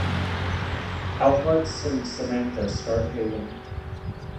Alex and Samantha start dating.